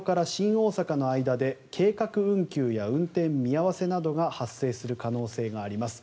大阪の間で計画運休や運転見合わせなどが発生する可能性があります。